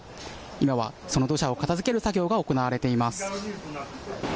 今はその土砂を片づける作業が行われています。